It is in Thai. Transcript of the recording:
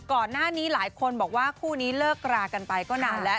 ก่อนหน้านี้หลายคนบอกว่าคู่นี้เลิกรากันไปก็นานแล้ว